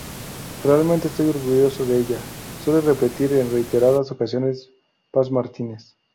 Realmente estoy orgulloso de ella, suele repetir -en reiteradas ocasiones- Paz Martínez.